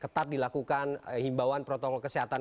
ketat dilakukan himbauan protokol kesehatan